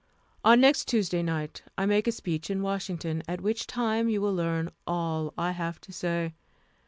On next Tuesday night I make a speech in Washington, at which time you will learn all I have to say.